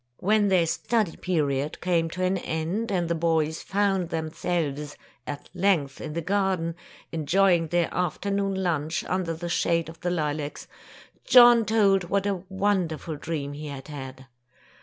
When their study period came to an end, and the boys found themselves at length in the garden, enjoying their afternoon lunch under the shade of the lilacs, John told what a wonderful dream he had had.